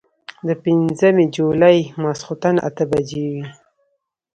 د پنځمې جولايې ماسخوتن اتۀ بجې وې